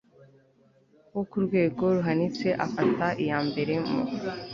wo ku rwego ruhanitse afata iyambere mu